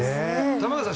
玉川さん